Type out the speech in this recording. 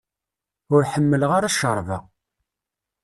Ur ḥemmleɣ ara ccerba.